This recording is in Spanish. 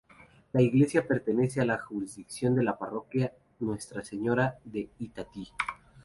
La iglesia pertenece a la jurisdicción de la Parroquia Nuestra Señora de Itatí.